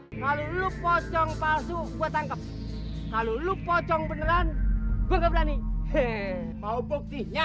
hai kalau lu pocong palsu buat angkat lalu lu pocong beneran gue berani hehehe mau buktinya